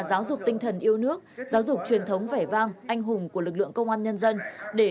giáo dục tinh thần yêu nước giáo dục truyền thống vẻ vang anh hùng của lực lượng công an nhân dân để